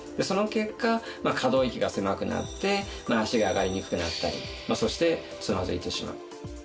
その結果可動域が狭くなって脚が上がりにくくなったりそしてつまずいてしまう。